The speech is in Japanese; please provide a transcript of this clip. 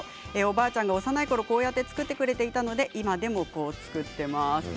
おばあちゃんが幼いころこうやって作ってくれていたので今でもこうやって作っています。